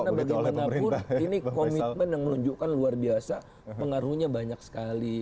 karena bagaimanapun ini komitmen yang menunjukkan luar biasa pengaruhnya banyak sekali